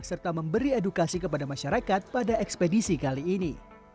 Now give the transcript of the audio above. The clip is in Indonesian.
serta memberi edukasi kepada masyarakat pada ekspedisi kali ini